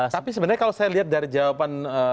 tapi sebenarnya kalau saya lihat dari jawaban